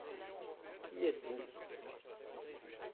Qui êtes-vous ?